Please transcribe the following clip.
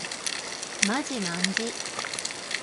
まじまんじ